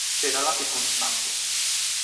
Se da la circunstancia